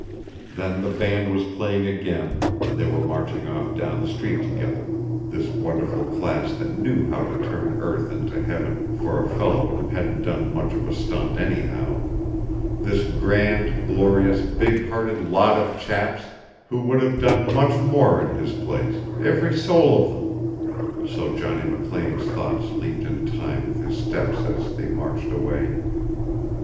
Then the band was playing again and they were marching off down the street together, this wonderful class that knew how to turn earth into heaven for a fellow who hadn't done much of a stunt anyhow, this grand, glorious, big hearted lot of chaps who would have done much more in his place, every soul of them so Johnny McLean's thoughts leaped in time with his steps as they marched away.